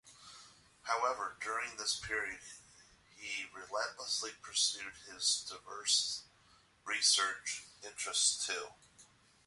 However, during this period he relentlessly pursued his diverse research interests, too.